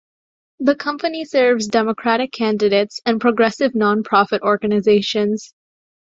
The company serves Democratic candidates and progressive non-profit organizations.